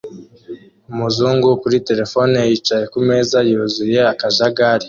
Umuzungu kuri terefone yicaye kumeza yuzuye akajagari